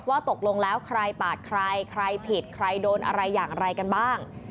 ว่าตกลงแล้วใครปาดใครใครผิดใครโดนอะไรอย่างไรกันบ้าง